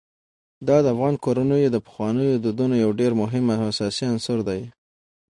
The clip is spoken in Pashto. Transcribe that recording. دا د افغان کورنیو د پخوانیو دودونو یو ډېر مهم او اساسي عنصر دی.